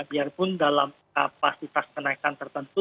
biarpun dalam kapasitas kenaikan tertentu